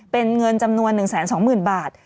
เป็นเงินจำนวน๑๒๐๐๐บาท